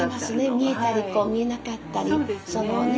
見えたり見えなかったりそのね